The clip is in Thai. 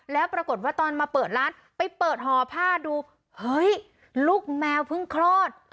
แล้วปรากฏว่าตอนมาเปิดร้านไปเปิดห่อผ้าดูเฮ้ยลูกแมวเพิ่งคลอด